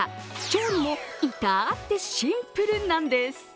調理も至ってシンプルなんです。